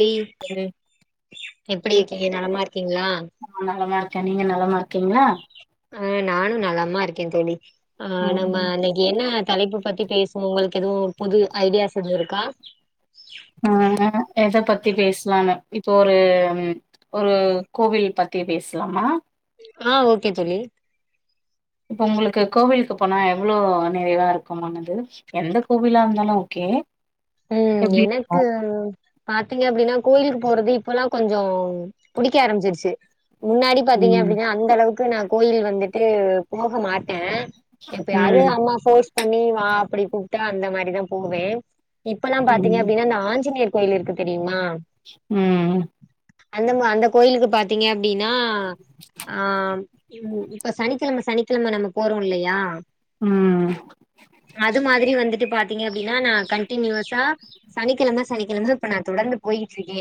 தோழி அ எப்டி இருக்கீங்க நலமா இருக்கீங்களா நலமாருக்கே நீங்க நலமாருக் கிங்ளா அ நானு நலம்மா இருக்கே தோழி ஆ நம்ம ம் அன்னக்கி என்ன தலைப்பு பத்தி பேசுவு உங்களுக்கு எதுவு புது ஐடியாஸ் எது இருக்கா ஆ எத பத்தி பேசலான்னு இப்போ ஒரு ஒரு கோவில் பத்தி பேஸ்லாமா ஆ ஓகே தோழி இப்ப உங்ளுக்கு கோவில்க்கு போனா எவ்ளோ நிறைவாருக்குமானது எந்த கோவிலா இருந்தாலு ஓகே ம் எப்டி இருக்கு எனக்கு பாத்தீங்க அப்டினா கோய்லுக் போறது இப்பலாம் கொஞ்சொ புடிக்க ஆரமிச்சிருச்சு முன்னாடி பாத்தீங்க ம் அப்டினா அந்தளவுக் கு நா கோயில் வந்துட்டு போக மாட் ட எப்பயாது ம் அம்மா போர்ஸ் பண்ணி வா அப்படி கூப்ட்டா அந்த மாரிதா போவே இப்பலா பாத்தீங்க ம் அப்டினா இந்த ஆஞ்சிநேர் கோயில் இருக்கு தெரியுமா ம் அந்தம்மா அந்த கோயிலுக்கு பாத்தீங்க பினா ஆ இப்ப சனிக்கெழம சனி கிலம நம்ம போறோல்லியா ம் அது மாதுரி வந்துட் டு பாத்தீங்க அப்டினா நா கண் டீனிவஸா சனிக்கெழம சனிக்கிலந்து இப்ப நா தொடர்ந்து போய்கிட்ருக்கே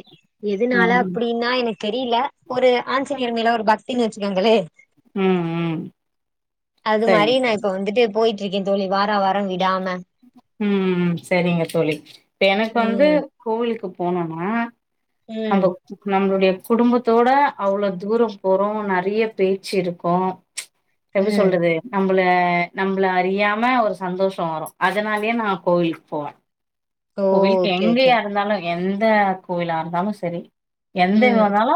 எதுனால ம் அப்புடினா எனக் தெரிய்ல ஒரு ஆஞ்சிநேயர் மேல ஒரு பக்தினு வச்சுகோங்களே ம் ம் அது சரி மாரி நா சரி இப்ப வந்துட்டு போயிட் இருக்கேன் தோழி வாரா வாரோ விடாம ம் ம் செரிங்க தோழி இப்ப எனக் வந்து ம் கோவிலுக்குப் போனோனா ம் நம்பக் நம்ளுடிய குடும்பக் தோட அவ்ளோ தூரொ போறோ நறைய பேச்சு இருக்கு எப்டி ம் சொல்றது நம் நம்பள நம்பள அறியாம ஒரு சந்தோஷோ வரு அதனாலயே நா கோவிலுக்கு போவே ஓ கோவிலுக்கு ஓகே ஓகே எங்கயா இருந்தாலு எந்த கோயிலா இருந்தாலு சரி எந்த ம் இதுவாந்தாலு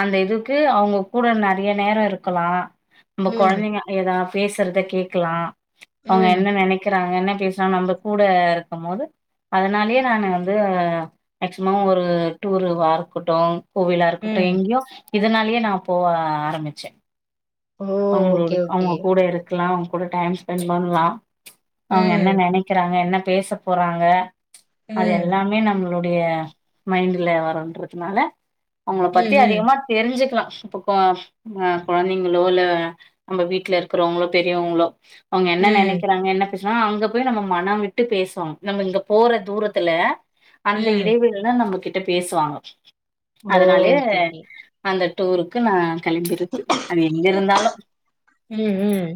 அந்த இதுக்கு அவங்க கூட நறைய நேர இருக்கலா நம்ப ம் கொழந்தைங்க ஏதா பேசறத கேட்கலா அவங்க ம் என்ன நெனைக்க என்ன பேசுறோ நம்ம கூட இருக்கு போது அதனாலயே நானு வந்து மேக்சிமம் ஒரு டூருவா இருக்கட்டு கோவிலா இருக்கட்டு ம் எங்க்யோ இதனாலயே நா போவ ஆரம்பிச்சே ஓ ஓகே அவுங்களோடு ஓகே அவுங்க கூட இருக்லா கூட டைம் ஸ்பெண் பண்லா அவங்க ம் என்ன நெனைக்கறாங்க என்ன பேச போறாங்க அது ம் எல்லாமே நம்ளுக் உங்களுடைய மைண்ட்ல வந்திருக்கனால அவங்கள பத்தி ம் ம் அதிகமா தெரிஞ்சுக்கலா இப்பக் கொ கொழந்தைங்களோ இல்ல நம்ப வீட்ல இருக்குறவங்களோ பெரியவங்களோ அவங்க என்ன ம் நெனைக்கறாங்க என்ன பேசுவ அங்க போய் நம்ம மனம் விட்டு பேசுவோ நம்ம இங்க போற தூரத்துல அந்த ம் இடைவெளில்லா நம்மக்கு [unintelligible] பேசுவாங்க ஓ அதனாலே ஓகே ஓகே அந்த டூருக்கு நா கெளம்பிறத்து அது எங்கருந்தாலு உம் உம்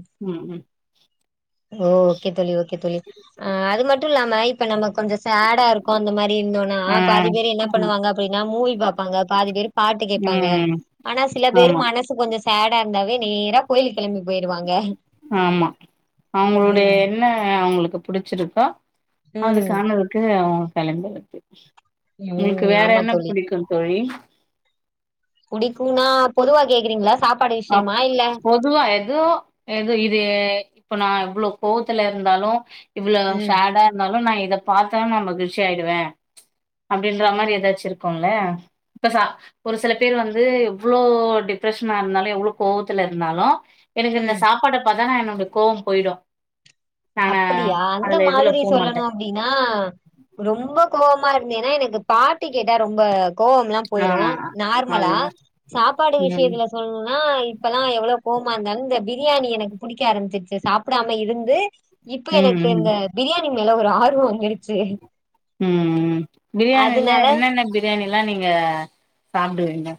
தோழி ஆ அது மட்டு இல்லாம இப்ப நம்மக் கொஞ்ச சேடா இருக்கு அந்த மாரி இருந்தோனா ஆ பாதி பேர் என்னா ஆமா பண்ணுவாங்க அப்டினா மூவி பாப்பாங்க பாதி பேரு பாட்டு கேப்பாங்க ம் ஆனா சில பேர் ஆமா மனசு கொஞ்ச செடா இருந்தாவே நேரப் கோயிலுக்கு கெளம்பி போயிடுவாங்க அவுங்களுடைய என்ன அவங்களுக்கு புடிச்சிருக்க ம் அதுக்கானதுக்கு கலந்து வந்து உங்களுக்கு ம் வேற என்ன பிடிக்கு தோழி புடிக்குனா பொதுவா கேக்றீங்ளா சாப் அ பொதுவா எதோ எது இது இப்ப நா எவ்ளோ கோவத்துல இருந்தாலு இவ்ளோ ம் ஷேடா இருந்தாலு நா இ இத பாத்தா நா மகிழ்ச்சியாயிடுவே அப்டின்ற மாரி ஏதாச்சு இருக்குல்ல இப்ப சா ஒரு சில பேர் வந்து எவ்ளோ டிப்ரஷன்னா இருந்தாலு எவ்ளோ கோவத்துல இருந்தாலு எனக்கு இந்த ம் சாப்பாட பாத் தா நம்ளுக்கு கோவம் போய்டு அப்டியா அந்த மாதிரி சொல்லணு அப்டின்னா ரொம்ப கோவமா இரு ந்தேன்னா எனக்கு பாட்டு கேட்டா ரொம்ப கோவமெல்லா ஆ போய்ரு நார்மலா அதுதான் சாப்பாடு ம் ம் விஷ்யத்துல சொல்லணுனா இப்பல்லா எவ்ளோ கோ வமா இந்தாலு இந்த பிரியாணி எனக்கு புடிக்க ஆரம்பிச்சுருச்சி சாப்டாம இருந்து இப்ப எனக்கு ம் ம் இந்த பிரியாணி மேல ஒரு ஆர்வோ வந்துருச்சி ம் ம் பிரியாணில என்னென்ன பிரியாணி ல்லா நீங்க சாப்டுவீங்க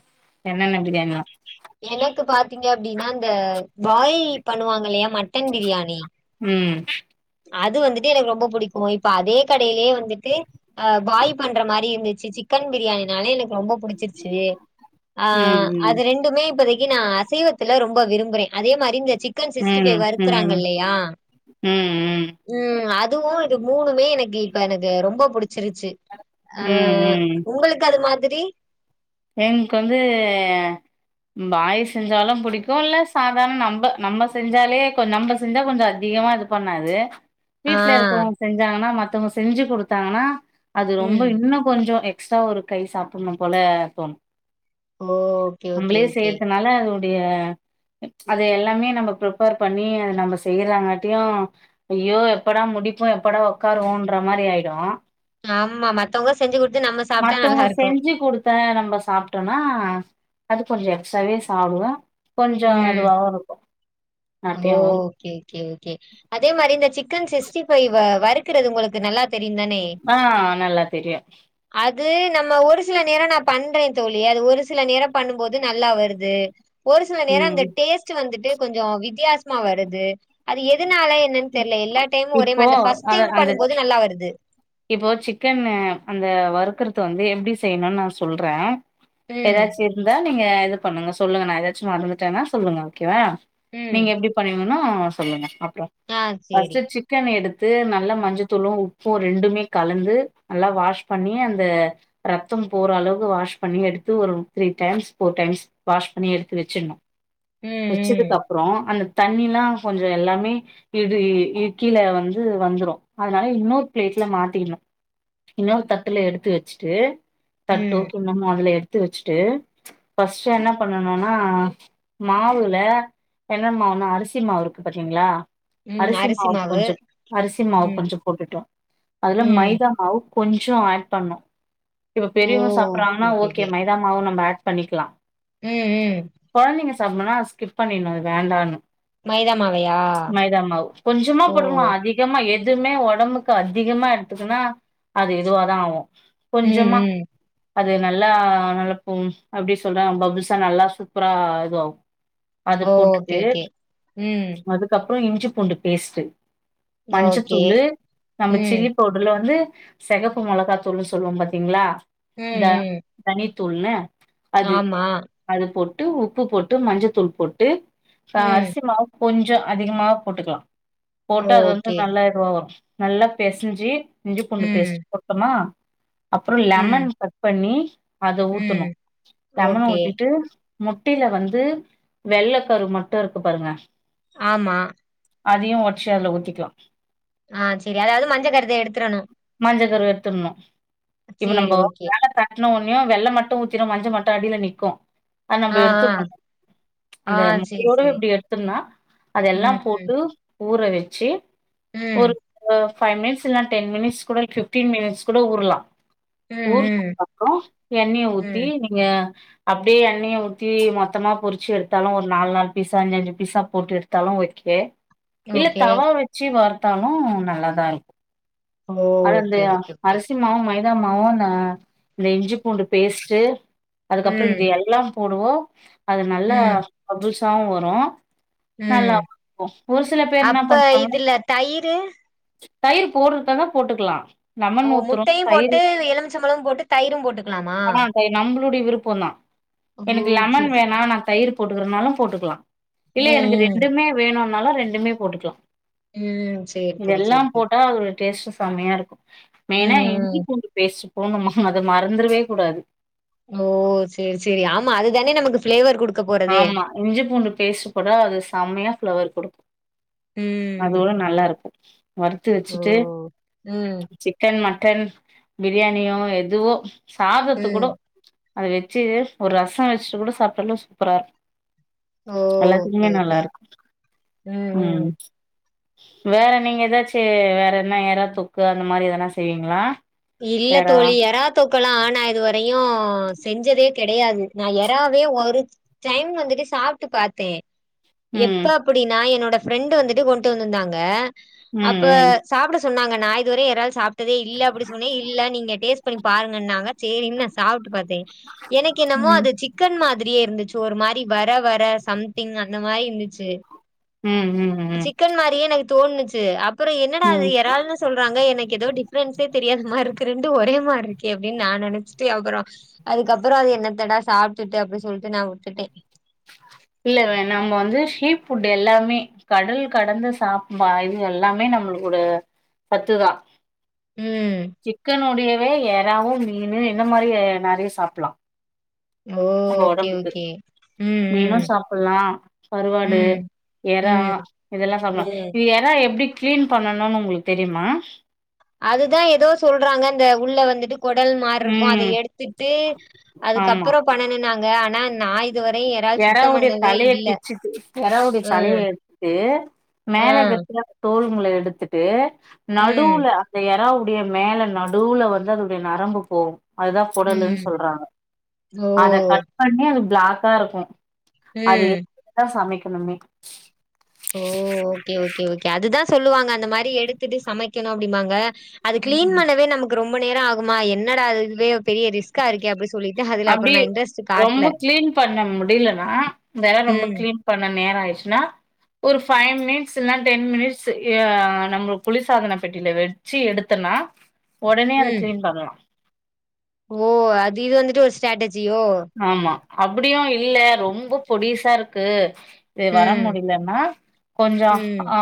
என்னென்ன பிரியாணிலா எனக்கு பாத்தீங்க அப்டின்னா இந்த பாய் பண்ணுவாங்கில்லயா மட் டன் பிரியாணி ம் அது வந்துட்டு எனக்கு ரொம்ப புடிக்கு இப்ப அதே கடையிலே வந்துட்டு அ பாய் பண்ற மாரி இருந்துச்சி சிக்கன் பிரியாணினாலே எனக்கு ரொம்ப பு புடுச்சுருச்சி ஆ அது ம் ரெண்டுமே இப்பதிக் கி நா அசைவத்துல ரொம்ப விரும்புறே அதே மாரி இந்த சிக்கன் சிக்ஸ்டி ம் ஃபைவ் ம் ம் வறுக்கறாங்கில்லயா ஆ ம் அதுவு இது மூணுமே எனக்கு இப்ப எனக்கு ரொம்ப புடுச்சுருச்சு அ ம், ம், உங்களுக்கு அது மா திரி என்க்கு வந்து பாய் செஞ்சாலு புடிக்கு இல்ல சாதாரண நம்ம நம்ம செஞ்சாலே கொண் நம்ம செஞ்சா கொஞ்சோ அதிகமா இது பண்ணாது ஆ. வீட்ல இருக்கவுங்க செஞ்சாங்கன்னா மத் த்தவங்க செஞ்சு கொடுத்தாங்னா அது ரொம்ப ம். இன்னு கொஞ்சோ எக் ஸ்ட்ரா ஒரு கை சாப்டுனு போல தோணு ஓ! ஓகே, ஓகே, நம்மளே ஓகே. செய்யறதுனால டிய அது எல்லாமே நம்ம ப்ரிப்பர் பண்ணி அத நம்ம செய்யறங்கட்டியு ஐயோ எப்படா முடிப்போ எப்படா உக்காருவோன்ற மாரி ஆயிடு ஆமா மத்தவங்க செஞ்சு குடுத்து நம்ம சாப்ட்டா நல்லா மத்தவங்க இருக்கு செஞ்சு குடுத்த நம்ம சாப்ட்டோனா அது கொஞ்ச எக்ஸ்ட்ராவே சாப்டுவோ கொஞ்ச ம். அதுவாவு இருக்கு ஓ ஹாப்பியாவு இருக்கு கே ஓகே ஓகே அதே மாரி இந்த சிக் கன் சிக்ஸ்டி ஃபைவ வறுக்கறது உங்களுக்கு நல்லா தெரியும் தானே? ஆ நல்லா தெரியு அது நம்ம ஒரு சில நேர நா பண்றே தோழி அது ஒரு சில நேர பண்ணும் போது நல்லா வருது ஒரு சில நேர அந்த ம் டேஸ்ட் வந்துட்டு கொஞ்ச வித் தியாசமா வருது அது எது எதனால என்னன் தெர்ல எல்லா டைமு ஒரே இப்போ மார அந்த ஃபஸ்ட் அத டைம் அந்த பண்ணும்போது நல்லா வருது இப்போ சிக்கன் அந்த வருக்கறத வந்து எப்டி செய்ணுன் நா சொல்ற ம் ஏதாச்சு இருந்தா நீங்க இது பண்ணுங்க சொல்லுங்க நா எதாச்சு மறந்துட்டனா சொல்லுங்க ஓகேவ ம் நீங்க எப்டி பண்ணிங்கனு சொல்லுங்க அப் ற ஆ ஃபஸ்ட் சேரி சிக்கன் எடுத் து நல்ல மஞ்சதூளு உப்பு ரெண்டுமே கலந்து நல்லா வாஷ் பண்ணி அந்த ரத்தம் போற அளவு வாஷ் பண்ணி எடுத்து ஒரு three times four times wash பண்ணி எடுத்து வச்சிர்ணு ம் வெச்சதுக்கு ம் அப்றொ அந்த தண்ணில்லா கொஞ்ச எல்லாமே இடு இட்க்கில வந்து வந்துரு அதனால இன்னு பிளேட்ல மாத்திக்கணு இன்னொரு தட்டுல எடுத்து வச்சுட்டு தட்டோ ம் கிண்ணமோ அதுல எடுத் து வெச்சுட்டு ஃபஸ்ட் என்ன பண்ணனுனா மாவுல என்னெ மாவுனா அரிசி மாவு இருக்கு பாத்திங்ளா அரிசி மாவு கொஞ்சம் அரிசி மாவு ம் கொஞ்சம் போட்டுட்டோ அதுல ம் மைதா மாவு கொஞ்சம் ஆட் பண்னோ இப்ப பெரிவங்க சாப்பிடடுறாங்கா ஓகே மைதாமாவும் நம்ம ஆட் பண்ணிக்கலா ம் ம் சாப்பனா ஸ்கிப் பண்ணிடு அது வேண்டானு மைதா மாவையா மைதா மாவு கொஞ்சமா ஓ போடுக்கணும் அதிகமா ஏ எதுமே உடம்புக்கு க்கு அதிகமா எடுத்துக்குனா அது இதுவாதா ஆவு ம் ம் அது நல்லா நல்ல ப்பு அப்டி சொல்ற பப்புள்ஸா நல்லா சூப்பரா இதுவாவு ஓ ஓகே ஓகே ம் அப்றம் இஞ்சி பூண்டு பேஸ்ட்டு ஓகே மஞ்சத்தூளு நம்ம ம் சில்லி பவுடுர்ல வந்து செகப்பு மொளகாத்தூள்னு சொல்வோ பாத்தீங்ளா ம் த ம் தனித் தூள்னு அது ஆமா அது போட்டு ட்டு உப்பு போட்டு மஞ்சத்தூள் போட்டு ஆ ம். அரிசிமாவ் கொஞ்ச அதிகமா போட்டுக்கலா போட்டு அது வந்து ஓகே. நல்லா இதுவாவரு நல்லா பெசஞ்சி இஞ்சி பூண்டு ம். பேஸ்ட் போட்டமா அப்றம் ம். லெமன் கட் பண்ணி அத ஊத்தணு ம். லெமன ஓகே. ஊத்திட்டு முட்டில வந்து வெள்ள கரு மட்டு இருக்கு பாருங்க ஆமா அதையு ஒட்சு அதுல ஊத்திக்லா ஆ சரி அதாவது மஞ்ச கருத எடுத்ரணு மஞ்சகருவ எட்த்துண்ணு சேரி ஓகே இன்னு ஒன்னே வெள்ள மட்டு ஊத்திரு மஞ்ச மட்டு அடில நிக்கு அது நம்ம ஆ, எடுத்து ஆ. [unintelligible] ஆ அந்த சரி, முட்டையோட சரி. அப்டி எடுத்தம்னா அதெல்லா ம், ம். போட்டு ஊற வெச்சி ம். ஒரு ஃபைவ் மினிட்ஸ் இல்ல டென் மினிட்ஸ் கூட ஃபிஃப்டீன் மினிட்ஸ் கூட ஊர்லா ம், ம். ஊர்னதுக்கப்றோ எண்ணெய ஊத்தி ம். நீங்க அப்டியே எண்ணைய ஊத்தி மொத்தமா பொரிச்சு எடுத்தாலு ஒரு நாலு நாலு பீஸா அஞ்சஞ்சு பீஸா போட்டு எடுத்தாலு ஓகே இல்ல ஓகே. தவா வச்சு வறு த்தாலு நல்லாதா இருக்கு ஓ! அது அந்த ஓகே, ஓகே, ஓகே. அரிசி மாவு மை தா மாவு இந்த இந்த இஞ்சி பூண்டு பேஸ்ட்டு அதுக்கப்புறோ ம். இது எல்லா போடுவோ அது நல்ல ம். அபுஸ் சாவு வரு நல்லா ம் இருக்கு ஒரு சில பேர் என்ன அப்ப பண்ணுவாங்க இதுல தயிரு தயிர் போட்றதாருந்தா போட்டுக்கலா ஓ லெமன் ஊத்துறோ முட்டையு தயிர் போட்டு எலுமிச்சம்பழமு போட்டு தயிரு போட்டுக்கலாமா டைய விருப்பந்தா ஓ! எனக்கு லெமன் சரி, வேணா சரி. நா தயிரு போட்டுக்கலா லெமன் போட்டுக்கலா இல்ல எனக்கு ம், ரெண்டுமே வேணு னாலு ரெண்டுமே போட்டுக்கலா ம் சேரி தோழி சேரி தோழி டேஸ்ட் செம்மையா இருக்கு மெயினா ம், ம். இஞ்சி பூண்டு பேஸ்ட் போணும அத மறந்துறவே கூடாது ஓ சேரி சேரி ஆமா அதுதானே நமக்கு ஃபிளேவர் குடுக்க போறதே ஆமா இஞ்சி பூண்டு பேஸ்ட் போட்டா அது செம்மையா ஃப்ளவர் குடுக்கு ம் அதுபோக நல்லா இருக்கு வறுத்து ஓ வெச்சிட்டு ம் சிக்கன் மட் டன் பிரியாணியோ எதுவோ சாதத்து கூட ம் அத வெச்சு ஒரு ரசோ வெச்சுட்டு கூட சாப்பிடலே சூ ப்பரா ஓ ஓகே எல்லாத்துக்குமே நல்லா ஓகே இருக்கு ம் ம் உம் வேற நீங்க ஏதாச்சு வேற என்ன ஏறா தொக்கு அந்த மாரி எதனா செய்வீங்களா இல்ல வேற தோழி எறா தொக்கல்லா ஆன இது வரையு செஞ்சதே கெடையாது நா யாராவே ஒரு டைம் வந்துட்டு சாப்ட்டு பாத்தே எப்ப ம் அப்டினா என்னோட ஃப்ரெண்டு் வந்துட்டு கொண்டு வந்திருந்தாங்க ம் அப்ப ம் சாப்டஸ் சொன்னாக நா இதுவரையு எறால் சாப் டதே இல்ல அப்டி மே இல்ல நீங்க டேஸ்ட் பண் ம் பாருங்கனாக சேரி இன்ன சாப்டு பாத்தே எனக்கு என்னமோ ம் அது சிக்கன் மாதிரியே இருந்து ஒரு மாரி வர வர சம்திங் அந்த மாரி இந்துச்சி ம் ம் ம் சிக்கன் மாரியே எனக் தோணுச்சி அப் பறோ என்னடா இது ம் எறால்னு சொல்றாங்கே எனக்கு ஏதோ டிஃப்ரன்சே தெரியாத மார்க்குது ரெண்டு ஒரே மார்க்கே அப்டின்னு நா நெனச்சிட்டு அப்றோ அதுக்கப்றோ அது என்னத்தடா சாப்டுட்டு அப்டி சொல்லிட்டு நா உட்டுடே இல்ல வே நம்ம வந்து சீ ஃபுட் எல்லாமே கடல் கடந்து சாப்பாய்ல் இது எல்லாமே நம்மளு கூட சத்துதா ம் சிக்கன் உடைய ஏய் எறாவும் மீனு இந்த மாரிய நெறைய சாப்லா ஓ! நம்போ ஓகே ஒடம்புக்கு ஓகே ம் மீனு ம் சாப்லா கருவாடு ம் எறா ம். இதெல்லா சாப்லா ம். இது எறா எப்டி கிளீன் பண்ணணுனு உங்களுக்கு தெரியுமா அதுதா ஏதோ சொல்றாங்க இந்த உள்ள வந்துட்டு கொடல் மார்ரிருக்கு அத ம் எடுத்துட்டு அதுக்கப்றோ பண்ணனு நாங்க நா நாய் எறாயோடைய தலைய பிச்சிட்டு எறாயோடைய ஆ தலைய எடுத்து ஆ. மேல [unintelligible] தோல் நூல்ல எடுத்துட்டு ம், நடுல அந்த எறாவு அப்டியே மேல நடுல வந்து அதுடைய நரம்பு போவு அதுதா கொடல்லு ம். சொல்றாங்க ஓ! அத கட் பண்ணி அது பிளாக் காருக்கு அது ம். [inaudible] சமைக் கனுமே ஓ ஓகே ஓகே ஓகே அதுதா சொல்லுவாங்க அந்த மாரி எடுத்திட்டு சமைக்கணு அப்டிமாங்க அது கிளீன் மண்ணவே நமக் ரொம் ப நேரோ ஆகுமா என்னடா இது இதுவே பெரிய ரிஸ்கா இருக்கே அப்டி சொல்லிட்டு அதுல அப்டி அப்புறம் நான் இன்ட்ரெஸ்ட் ரொம்ப காட்டல. கிளீன் பண்ண முடிலனா வேர் ரொம்ப ம், கிளீன் பண்ண நேரோ ஆய் ச்னா ஒரு ஃபை மினிட்ஸ் இல்னா டென் மினிட்ஸ் இ ய நம்ம குளிர்சாதன பெட்டில வெச்சி எடுத்தனா ஒடனே அத ம். கிளீன் பண்லா ஓ அது இது வந்துட்டு ஒரு ஸ்டேட்டஜ் ஜியோ அப்பிடியு இல்ல ரொம்ப பொடிசா இருக்கு இது வர ம். முடிலன்னா கொஞ்சோ ம். ஆ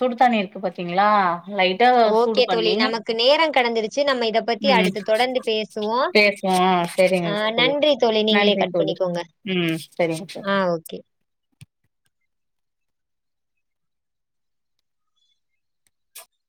சுடுதண்ணி இருக்கு பாத்தீங்ளா ஓகே தோழி நமக்கு நேரங் கடந்துருச்சு நம்ம இத பத்தி ம் அடுத்து தொடர்ந்து பேசுவோ பேசுவோ சரிங்க அ தோழி நன்றி தோழி நீங்ளே நன்றி கட் தோழி பண்ணிக்கோங்க ம் சரிங்க தோழி அ ஓகே